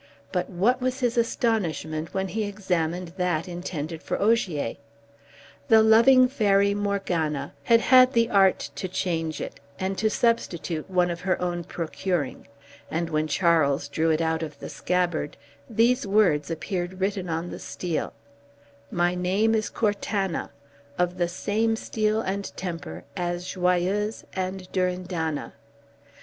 But what was his astonishment when he examined that intended for Ogier! The loving Fairy, Morgana, had had the art to change it, and to substitute one of her own procuring, and when Charles drew it out of the scabbard, these words appeared written on the steel: "My name is Cortana, of the same steel and temper as Joyeuse and Durindana."